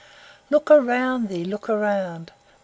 Look around thee, look around!